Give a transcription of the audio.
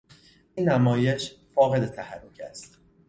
این نمایش فاقد تحرک است.